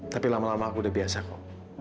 tapi lama lama aku udah biasa kok